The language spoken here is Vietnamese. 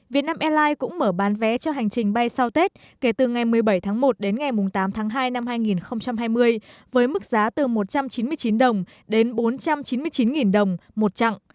việt nam airlines cũng mở bán vé cho hành trình bay sau tết kể từ ngày một mươi bảy tháng một đến ngày tám tháng hai năm hai nghìn hai mươi với mức giá từ một trăm chín mươi chín đồng đến bốn trăm chín mươi chín đồng một chặng